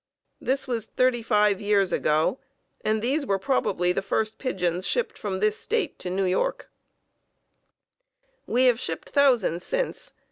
This was thirty five years ago, and these were probably the first pigeons shipped from this State to New York. We have shipped thousands since.